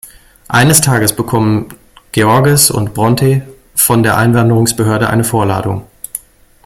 Eines Tages bekommen Georges und Brontë von der Einwanderungsbehörde eine Vorladung.